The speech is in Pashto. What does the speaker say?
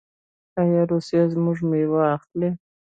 آیا روسیه زموږ میوه اخلي؟